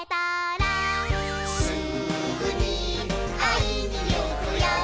「すぐにあいにいくよ」